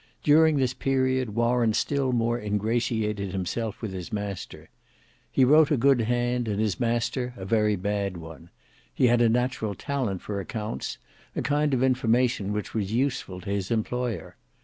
During this period, Warren still more ingratiated himself with his master. He wrote a good hand, and his master a very bad one. He had a natural talent for accounts; a kind of information which was useful to his employer.